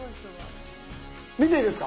見ていいですか？